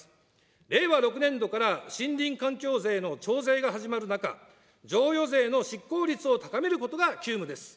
令和６年度から森林環境税の徴税が始まる中、譲与税の執行率を高めることが急務です。